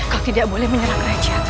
kau tidak boleh menyerang raja